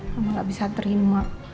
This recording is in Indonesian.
kamu gak bisa terima